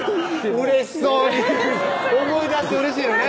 うれしそうに思い出してうれしいよね